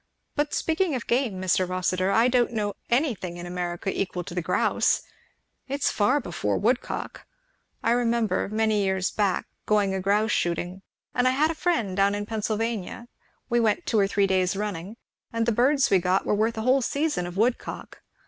But speaking of game, Mr. Rossitur, I don't know anything in America equal to the grouse. It is far before woodcock. I remember, many years back, going a grouse shooting, I and a friend, down in Pennsylvania, we went two or three days running, and the birds we got were worth a whole season of woodcock.